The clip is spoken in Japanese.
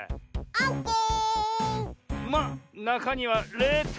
オッケー。